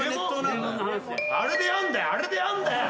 あれでやんだよ！